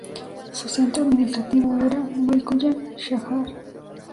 Su centro administrativo era Mikoyan-Shajar.